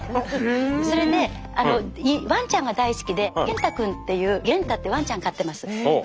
それでワンちゃんが大好きでゲンタくんっていうゲンタってワンちゃん飼ってます。